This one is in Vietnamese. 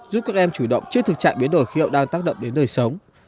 giúp các em chủ động trước thực trạng biến đổi khi họ đang tác động đến nơi sống